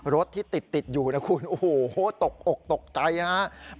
รถที่ติดอยู่นะคุณโอ้โหตกอกตกใจครับ